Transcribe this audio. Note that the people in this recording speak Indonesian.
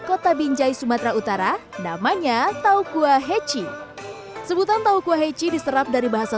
kota binjai sumatera utara namanya taukuah heci sebutan tau kuah heci diserap dari bahasa